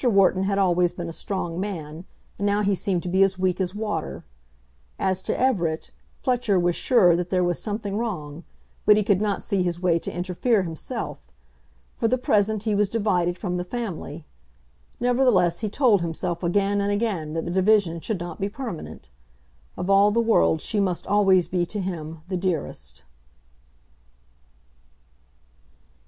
Wharton had always been a strong man, and now he seemed to be as weak as water. As to Everett, Fletcher was sure that there was something wrong, but he could not see his way to interfere himself. For the present he was divided from the family. Nevertheless he told himself again and again that that division should not be permanent. Of all the world she must always be to him the dearest.